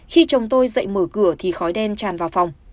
khi chồng tôi dậy mở cửa thì khói đen tràn vào phòng